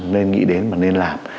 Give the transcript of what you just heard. nên nghĩ đến và nên làm